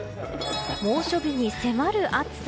猛暑日に迫る暑さ。